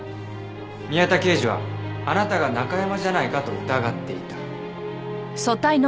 宮田刑事はあなたがナカヤマじゃないかと疑っていた。